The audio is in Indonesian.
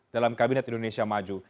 dalam kabinet indonesia maju